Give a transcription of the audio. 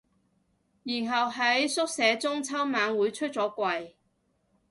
然後喺宿舍中秋晚會出咗櫃